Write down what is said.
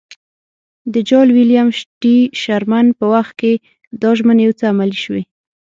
د جال ویلیم ټي شرمن په وخت کې دا ژمنې یو څه عملي شوې.